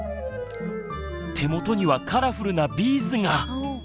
手元にはカラフルなビーズが。